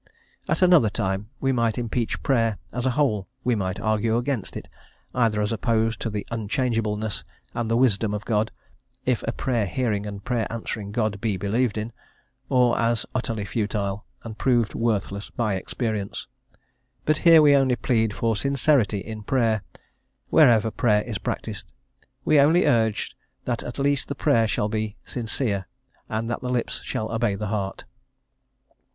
At another time, we might impeach prayer as a whole; we might argue against it, either as opposed to the unchangeableness and the wisdom of God, if a prayer hearing and prayer answering God be believed in, or as utterly futile, and proved worthless by experience. But here we only plead for sincerity in prayer, wherever prayer is practised; we only urge that at least the prayer shall be sincere, and that the lips shall obey the heart.